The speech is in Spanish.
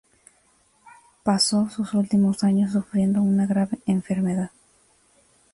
Pasó sus últimos años sufriendo una grave enfermedad.